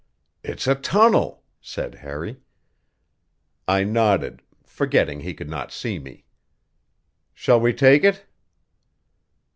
"It's a tunnel," said Harry. I nodded, forgetting he could not see me. "Shall we take it?"